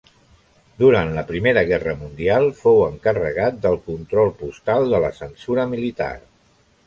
Durant la Primera Guerra Mundial, fou encarregat del control postal de la censura militar.